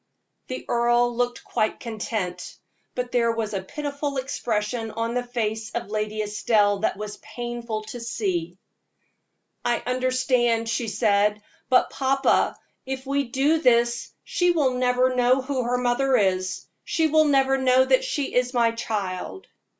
The earl looked quite content, but there was a pitiful expression on the face of Lady Estelle that was painful to see. "I understand," she said; "but, papa, if we do this she will never know who is her mother. She will never know that she is my child."